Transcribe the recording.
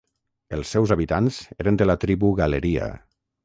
Els seus habitants eren de la tribu Galeria.